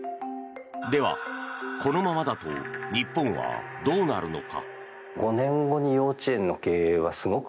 では、このままだと日本はどうなるのか。